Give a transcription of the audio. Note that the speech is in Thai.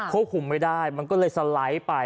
คุมไม่ได้มันก็เลยสไลด์ไป